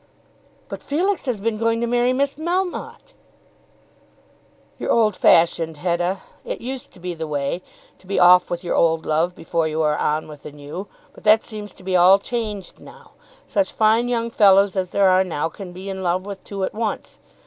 "But Felix has been going to marry Miss Melmotte!" "You're old fashioned, Hetta. It used to be the way, to be off with the old love before you are on with the new; but that seems to be all changed now. Such fine young fellows as there are now can be in love with two at once.